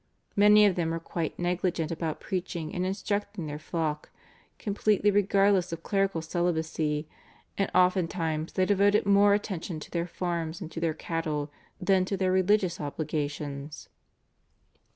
Many of them were quite negligent about preaching and instructing their flock, completely regardless of clerical celibacy, and oftentimes they devoted more attention to their farms and to their cattle than to their religious obligations.